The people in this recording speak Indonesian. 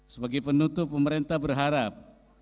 sebagai penutup pemerintah berharap